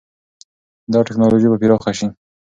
دا ټکنالوژي به پراخه شي.